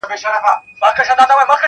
• پهدهپسېويثوابونهيېدلېپاتهسي,